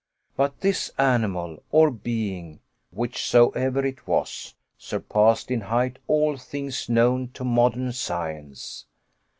But this animal, or being, whichsoever it was, surpassed in height all things known to modern science.